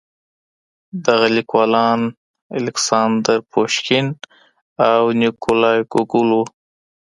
دغه ليکوالان الکساندر پوشکين او نېکولای ګوګول وو.